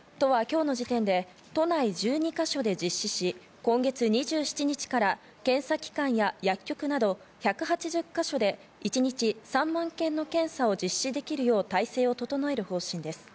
都は今日の時点で都内１２ヶ所で実施し、今月２７日から検査機関や薬局など、１８０ヶ所で一日３万件の検査を実施できるよう、体制を整える方針です。